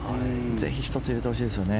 ぜひ１つ入れてほしいですね。